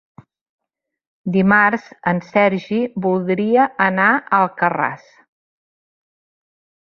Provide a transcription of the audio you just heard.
Dimarts en Sergi voldria anar a Alcarràs.